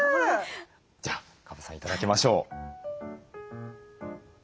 じゃあ川端さん頂きましょう。